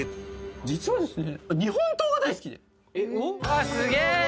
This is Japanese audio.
実はですね。